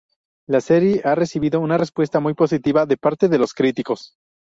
La serie ha recibido una respuesta muy positiva de parte de los críticos.